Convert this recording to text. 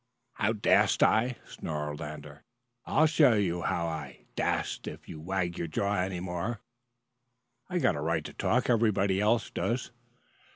"How dast I!" snarled Lander. "I'll show you how I dast if you wag your jaw any more." "I've got a right to talk; everybody else does."